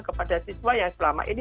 kepada siswa yang selama ini